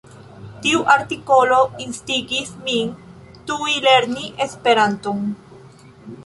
Tiu artikolo instigis min tuj lerni Esperanton.